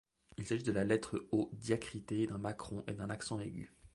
Il s’agit de la lettre O diacritée d’un macron et d’un accent aigu.